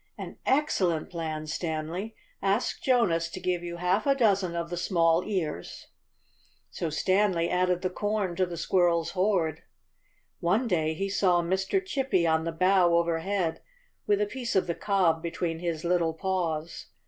"An excellent plan, Stanley. Ask Jonas to give you half a dozen of the small ears." So Stanley added the corn to the squirrel's hoard. One day he saw Mr. Chippy on the bough overhead with a piece of the cob be tween his little paws.